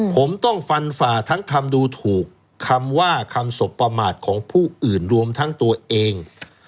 ผมต้องฟันฝ่าทั้งคำดูถูกคำว่าคำสบประมาทของผู้อื่นรวมทั้งตัวเอง